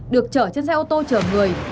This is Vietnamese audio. được chở trên xe ô tô chở người